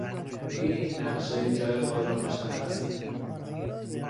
روی این نقشه جای خود را مشخص کنید.